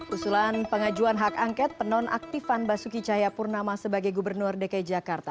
usulan pengajuan hak angket penonaktifan basuki cahayapurnama sebagai gubernur dki jakarta